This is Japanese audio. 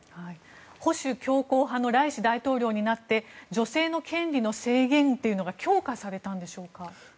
保守強硬派のライシ大統領になって女性の権利の制限っていうのが強化されたんでしょうか。